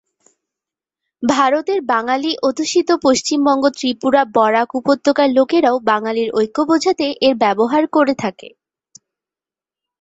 ভারতের বাঙালি অধ্যুষিত পশ্চিমবঙ্গ, ত্রিপুরা, বরাক উপত্যকার লোকেরাও বাঙালির ঐক্য বোঝাতে এর ব্যবহার করে থাকে।